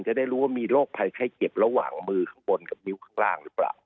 จะได้รู้ว่ามีโรคภัยไข้เจ็บระหว่างมือข้างบนกับนิ้วข้างล่างหรือเปล่า